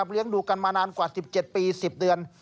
เลี้ยงดูกันมานานกว่า๑๗ปี๑๐เดือน